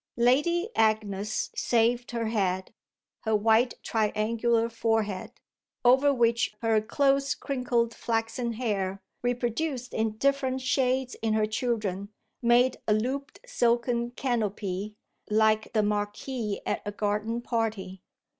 Lady Agnes saved her head, her white triangular forehead, over which her close crinkled flaxen hair, reproduced in different shades in her children, made a looped silken canopy like the marquee at a garden party.